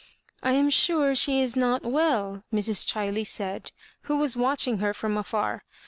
" I am sure she is not well," Mrs. Chiley said, who was watching her from afar.